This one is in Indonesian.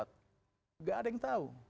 nggak ada yang tahu